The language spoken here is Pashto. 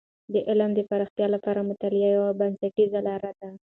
د علم د پراختیا لپاره مطالعه یوه بنسټیزه لاره ده.